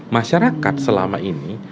masyarakat selama ini